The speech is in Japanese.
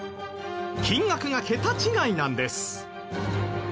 金額が桁違いなんです。